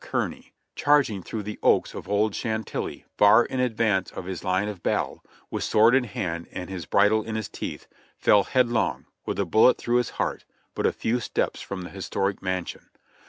Kearny, charging through the oaks of "Old Chantilly," far in advance of his line of battle, with sword in hand and his bridle in his teeth, fell headlong, with a bullet through his heart, but a few steps from the historic mansion.